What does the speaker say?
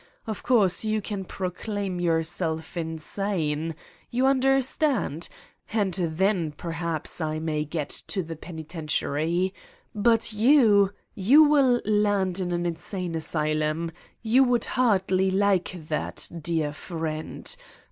Of course, you can proclaim yourself insane. You understand? ^ and then, perhaps, I may get to the peniten tiary. But you you will land in an insane asy lum. You would hardly like that, dear friend.